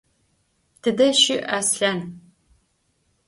Tıde şı' Aslhan?